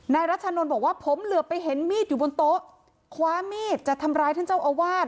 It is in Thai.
รัชนนท์บอกว่าผมเหลือไปเห็นมีดอยู่บนโต๊ะคว้ามีดจะทำร้ายท่านเจ้าอาวาส